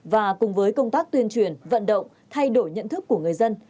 và cùng với công tác tuyên truyền vận động thay đổi nhận thức của người dân